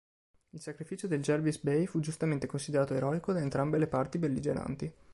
Il sacrificio del "Jervis Bay" fu giustamente considerato eroico da entrambe le parti belligeranti.